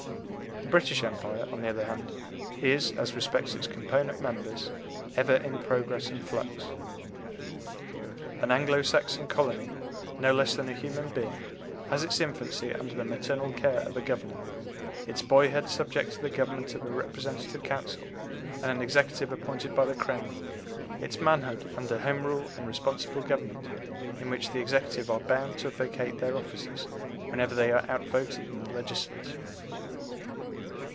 The British Empire, on the other hand, is, as respects its component members, ever in progress and flux. An Anglo Saxon colony, no less than a human being, has its infancy under the maternal care of a governor, its boyhood subject to the government of a representative council and an Executive appointed by the Crown, its manhood under Home Rule and responsible government, in which the Executive are bound to vacate their offices whenever they are out voted in the Legislature.